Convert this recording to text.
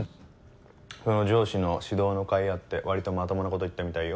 その上司の指導のかいあって割とまともなこと言ったみたいよ。